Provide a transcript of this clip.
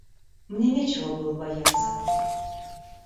Мне нечего было бояться.